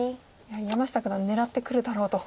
やはり山下九段狙ってくるだろうと。